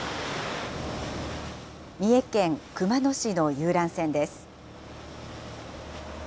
三重県熊野市の遊覧船です。